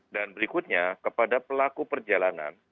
dan berikutnya kepada pelaku perjalanan